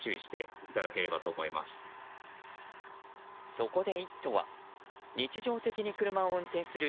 そこで「イット！」は日常的に車を運転する